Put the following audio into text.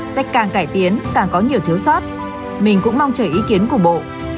sách càng cải tiến càng có nhiều thiếu sót mình cũng mong chờ ý kiến của bộ